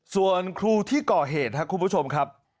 ส่วนครูที่ก่อเหตุครับคุณผู้ชมครับ